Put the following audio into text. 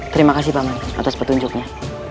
terima kasih paman atas petunjuknya